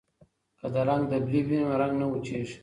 که د رنګ ډبلي وي نو رنګ نه وچیږي.